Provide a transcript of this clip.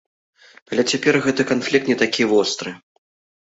Але цяпер гэты канфлікт не такі востры.